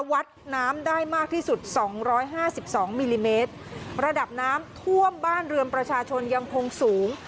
วัดน้ำได้มากที่สุดสองร้อยห้าสิบสองมิลลิเมตรระดับน้ำท่วมบ้านเรือนประชาชนยังคงสูง